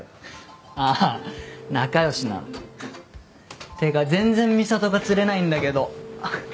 あぁ仲良しなの。ってか全然美里が釣れないんだけど。